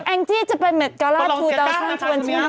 แอคจี้จะเป็นเม็ดกาลาสทูดาวช่วงช่วงที่นี้